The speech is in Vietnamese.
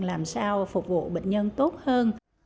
sau đó phục vụ bệnh nhân tốt hơn